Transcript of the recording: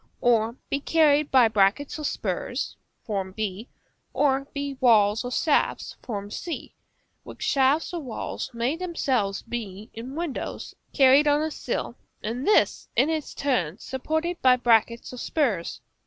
or be carried by brackets or spurs, b, or by walls or shafts, c, which shafts or walls may themselves be, in windows, carried on a sill; and this, in its turn, supported by brackets or spurs.